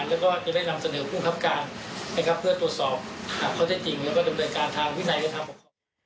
แล้วก็จะได้นำเสนอภูมิคับการนะครับเพื่อตรวจสอบหาข้อเท็จจริงแล้วก็ดำเนินการทางวินัยและทางปกครอง